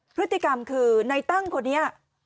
พฤติกรรมคือในตั้งคนนี้